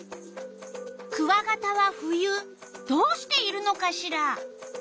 クワガタは冬どうしているのかしら？